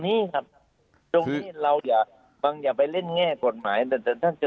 นี้ครับตรงนี้เราอย่าบางอย่าไปเล่นแง่กฎหมายแต่ท่านจะ